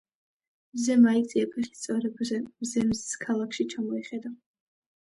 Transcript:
მზემ აიწია ფეხის წვერებზე მზემ მზის ქალაქში ჩამოიხედა